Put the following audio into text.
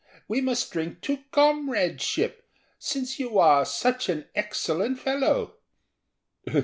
We must drink to Comradeship, since you are such an excellent fellow."